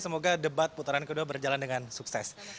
semoga debat putaran kedua berjalan dengan sukses